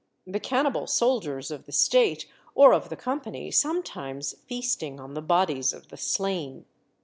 The cannibal soldiers of the State or of the Company sometimes feasting on the bodies of the slain."